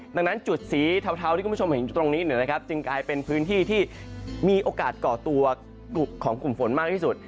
ดังนั้นจุดสีเทาที่คุณผู้ชมเห็นอยู่ตรงนี้จึงกลายเป็นพื้นที่ที่มีโอกาสก่อตัวของกลุ่มฝนมากที่สุด